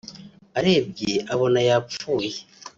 arebye abona yapfuye